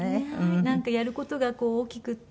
なんかやる事が大きくて。